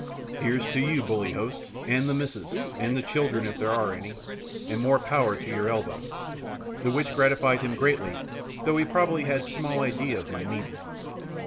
"Here's to you, bully host, and the missus, and the children, if there are any, and more power to your elbow!" the which gratified him greatly, though probably he had small idea of my meaning.